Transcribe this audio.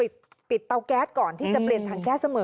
ปิดเตาแก๊สก่อนที่จะเปลี่ยนถังแก๊สเสมอ